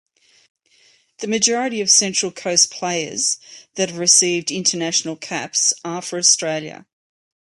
The majority of Central Coast players that have received international caps are for Australia.